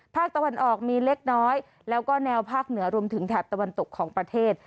ภาคตะวันออกมีเล็กน้อยแล้วก็แนวภาคเหนือรวมถึงแถบตะวันตกของประเทศ